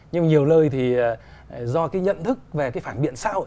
nhưng nhiều nơi thì do cái nhận thức về cái phản biện xã hội